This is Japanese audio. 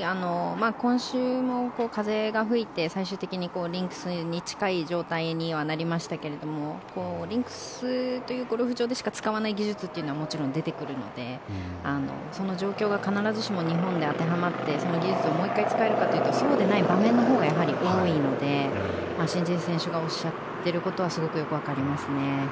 今週も風が吹いて最終的にリンクスに近い状態にはなりましたけれどリンクスというゴルフ場でしか使わない技術というのはもちろん出てくるのでその状況が必ずしも日本で当てはまって、その技術をもう一回使えるかというとそうではない場面のほうがやはり多いのでシン・ジエ選手がおっしゃってることはすごくよくわかりますね。